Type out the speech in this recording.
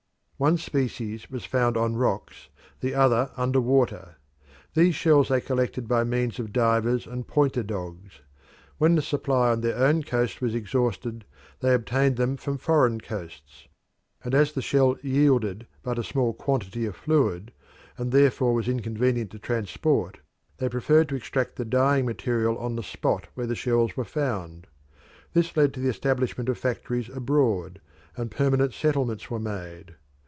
One species was found on rocks, the other under water. These shells they collected by means of divers and pointer dogs. When the supply on their own coast was exhausted they obtained them from foreign coasts, and as the shell yielded but a small quantity of fluid, and therefore was inconvenient to transport, they preferred to extract the dyeing material on the spot where the shells were found. This led to the establishment of factories abroad, and permanent settlements were made.